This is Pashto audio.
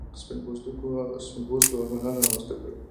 سپین پوستو واکمنانو رامنځته کړ.